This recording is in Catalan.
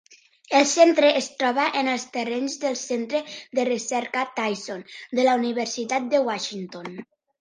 El Centre es troba en els terrenys del Centre de recerca Tyson de la Universitat de Washington.